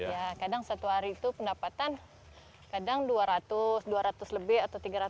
ya kadang satu hari itu pendapatan kadang dua ratus dua ratus lebih atau tiga ratus